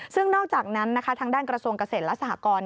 ซึ่งนอกจากนั้นนะคะทางด้านกระทรวงเกษตรและสหกร